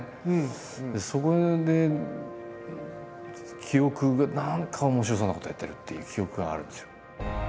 そこで記憶が何か面白そうなことをやってるっていう記憶があるんですよ。